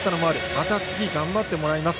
また次、頑張ってもらいます。